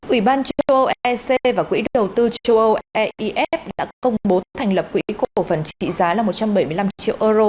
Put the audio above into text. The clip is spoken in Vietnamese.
ủy ban châu âu ec và quỹ đầu tư châu âu eif đã công bố thành lập quỹ cổ phần trị giá là một trăm bảy mươi năm triệu euro